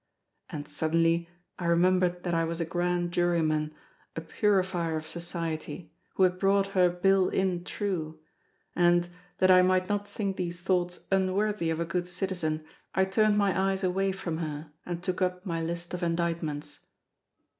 And suddenly I remembered that I was a Grand Juryman, a purifier of Society, who had brought her bill in true; and, that I might not think these thoughts unworthy of a good citizen, I turned my eyes away from her and took up my list of indictments.